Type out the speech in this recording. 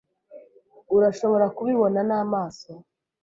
Urashobora kubibona n'amaso.